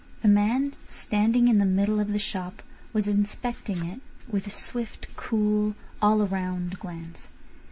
A man standing in the middle of the shop was inspecting it with a swift, cool, all round glance.